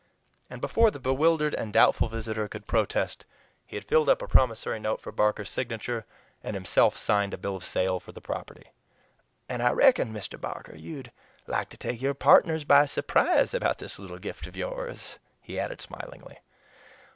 And before the bewildered and doubtful visitor could protest, he had filled up a promissory note for Barker's signature and himself signed a bill of sale for the property. "And I reckon, Mr. Barker, you'd like to take your partners by surprise about this little gift of yours," he added smilingly.